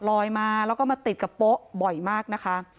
ลอยมาแล้วก็มาติดกับโป๊ะบ่อยมากนะคะ